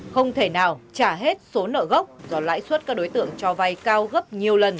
không thể nào trả hết số nợ gốc do lãi suất các đối tượng cho vay cao gấp nhiều lần